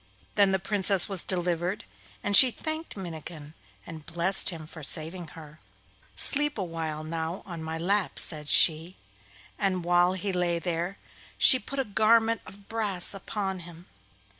Then the Princess was delivered, and she thanked Minnikin and blessed him for saving her. 'Sleep a while now on my lap,' said she, and while he lay there she put a garment of brass upon him.